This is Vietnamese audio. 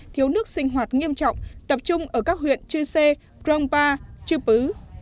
thiếu nước sinh hoạt nghiêm trọng tập trung ở các huyện chư sê crong ba chư pứ